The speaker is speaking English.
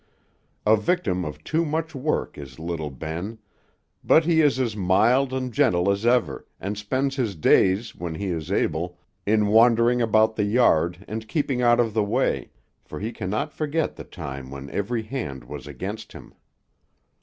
A victim of too much work is little Ben; but he is as mild and gentle as ever, and spends his days, when he is able, in wandering about the yard, and keeping out of the way, for he cannot forget the time when every hand was against him.